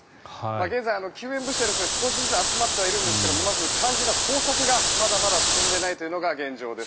現在、救援物資は少しずつ集まっているんですがまず肝心な捜索がまだまだ進んでいないというのが現状です。